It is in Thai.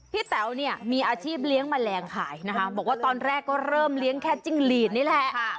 แต๋วเนี่ยมีอาชีพเลี้ยงแมลงขายนะคะบอกว่าตอนแรกก็เริ่มเลี้ยงแค่จิ้งหลีดนี่แหละ